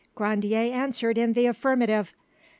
Grandier answered in the affirmative.